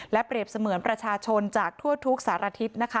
และเปรียบเสมือนประชาชนจากทั่วทุกข์สารทิศ